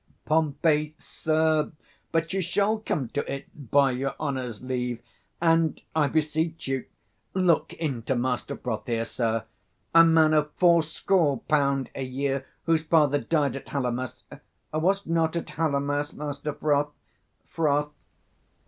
115 Pom. Sir, but you shall come to it, by your honour's leave. And, I beseech you, look into Master Froth here, sir; a man of fourscore pound a year; whose father died at Hallowmas: was't not at Hallowmas, Master Froth? _Froth.